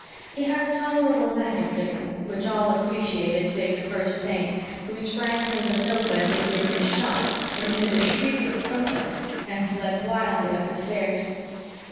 He had a tolerable knack of fiddling, which all appreciated save the First Mate, who sprang from the sofa as if he had been shot, emitted a shriek of protest, and fled wildly up the stairs.